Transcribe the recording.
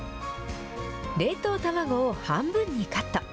冷凍卵を半分にカット。